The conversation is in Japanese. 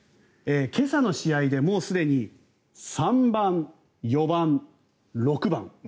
今朝の試合でもうすでに３番、４番、６番。